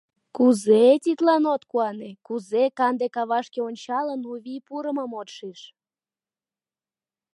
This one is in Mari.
Кузе тидлан от куане, кузе, канде кавашке ончалын, у вий пурымым от шиж?..